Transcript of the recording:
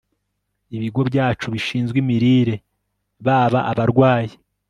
ibigo byacu bishinzwe imirire baba abarwayi